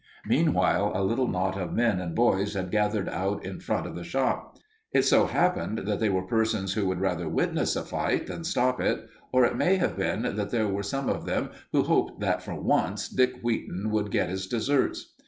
Meanwhile, a little knot of men and boys had gathered out in front of the shop. It so happened that they were persons who would rather witness a fight than stop it, or it may have been that there were some of them who hoped that for once Dick Wheaton would get his deserts.